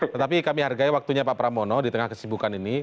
tetapi kami hargai waktunya pak pramono di tengah kesibukan ini